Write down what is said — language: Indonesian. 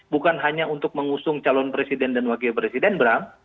bukan hanya untuk mengusung calon presiden dan wakil presiden bram